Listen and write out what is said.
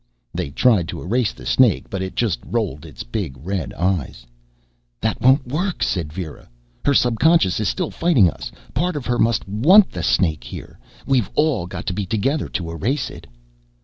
They tried to erase the snake, but it just rolled its big red eyes. "That won't work," said Vera. "Her subconscious is still fighting us. Part of her must want the snake here. We've all got to be together to erase it."